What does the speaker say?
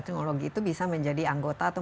teknologi itu bisa menjadi anggota atau